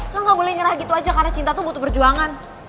lo gak boleh nyerah gitu aja karena cinta tuh butuh perjuangan